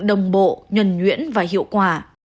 đồng bộ nhuẩn nhuyễn và hiệu quả